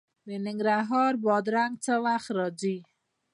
د ننګرهار بادرنګ څه وخت راځي؟